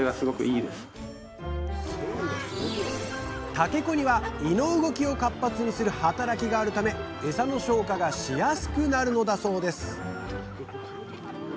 竹粉には胃の動きを活発にする働きがあるためエサの消化がしやすくなるのだそうです